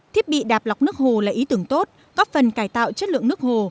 thiết bị đạp lọc nước hồ là ý tưởng tốt góp phần cải tạo chất lượng nước hồ